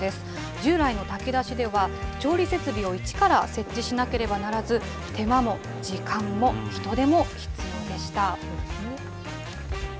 従来の炊き出しでは、調理設備を一から設置しなければならず、手間も時間も人手も必要でした。